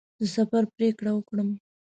د سفر پرېکړه وکړم.